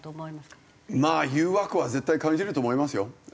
まあ誘惑は絶対感じると思いますよ。